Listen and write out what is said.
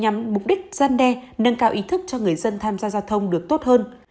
nhằm mục đích gian đe nâng cao ý thức cho người dân tham gia giao thông được tốt hơn